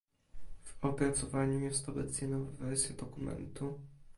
W opracowaniu jest obecnie nowa wersja dokumentu